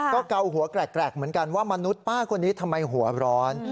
ก็เกาหัวแกรกเหมือนกันว่ามนุษย์ป้าคนนี้ทำไมหัวร้อน